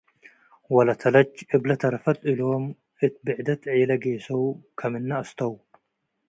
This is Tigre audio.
ወለተለች እብ ለተርፈት እሎም እት ብዕደት ዔላ ጌሰው ከምነ አስተው።